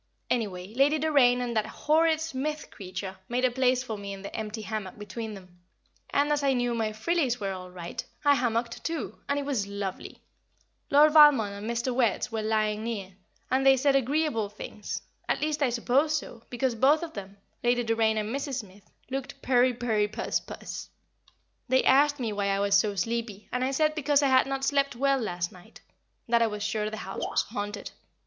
Anyway, Lady Doraine and that horrid Smith creature made a place for me in the empty hammock between them, and, as I knew my "frillies" were all right, I hammocked too, and it was lovely. Lord Valmond and Mr. Wertz were lying near, and they said agreeable things, at least I suppose so, because both of them Lady Doraine and Mrs. Smith looked purry purry puss puss. They asked me why I was so sleepy, and I said because I had not slept well the last night that I was sure the house was haunted.